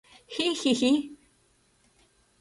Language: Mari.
Хи-хи-хи!..